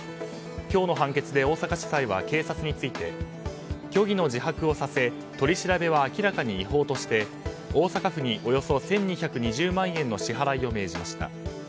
今日の判決で大阪地裁は警察について虚偽の自白をさせ、取り調べは明らかに違法として大阪府におよそ１２２０万円の支払いを命じました。